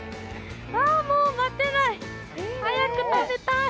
もう待てない。